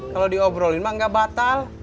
kalau diobrolin mah nggak batal